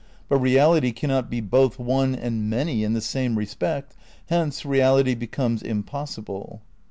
But reality cannot be both one and many in the same respect, hence reality becomes impossible."